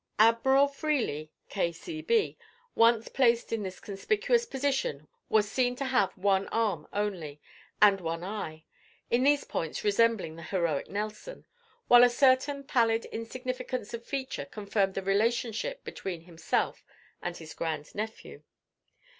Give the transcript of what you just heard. Admiral Freely, K.C.B., once placed in this conspicuous position, was seen to have had one arm only, and one eye—in these points resembling the heroic Nelson—while a certain pallid insignificance of feature confirmed the relationship between himself and his grand nephew.